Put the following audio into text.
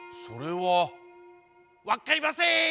それはわっかりません！